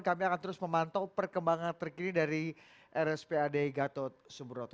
kami akan terus memantau perkembangan terkini dari rspad gatot subroto